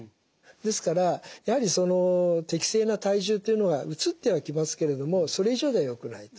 ですからやはり適正な体重というのが移ってはきますけれどもそれ以上ではよくないと。